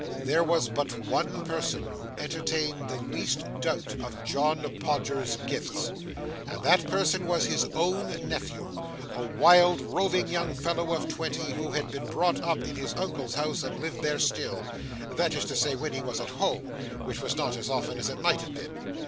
There was but one person who entertained the least doubt of John Podgers's gifts, and that person was his own nephew, a wild, roving young fellow of twenty who had been brought up in his uncle's house and lived there still,—that is to say, when he was at home, which was not as often as it might have been.